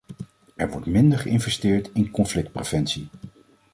Er wordt minder geïnvesteerd in conflictpreventie.